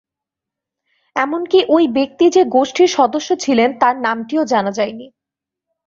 এমনকি ওই ব্যক্তি যে গোষ্ঠীর সদস্য ছিলেন, তার নামটিও জানা যায়নি।